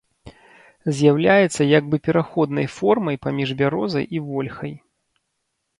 З'яўляецца як бы пераходнай формай паміж бярозай і вольхай.